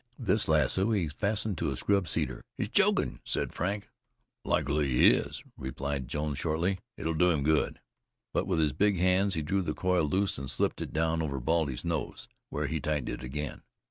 This lasso he fastened to a scrub cedar. "He's chokin'!" said Frank. "Likely he is," replied Jones shortly. "It'll do him good." But with his big hands he drew the coil loose and slipped it down over Baldy's nose, where he tightened it again.